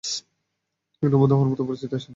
এখনও বন্ধু হওয়ার মতো পরিস্থিতি আসেনি।